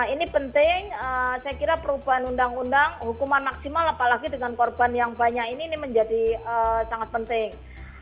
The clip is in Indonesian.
ini penting saya kira perubahan undang undang hukuman maksimal apalagi dengan korban yang banyak ini menjadi sangat penting